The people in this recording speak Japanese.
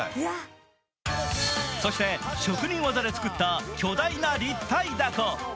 そして職人技が作った巨大な立体だこ。